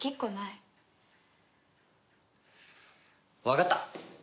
わかった！